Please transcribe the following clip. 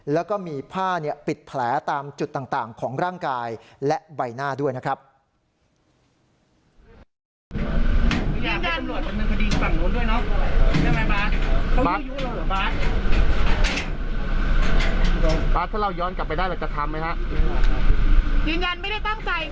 แล้วก็มีผ้าปิดแผลตามจุดต่างของร่างกายและใบหน้าด้วยนะครับ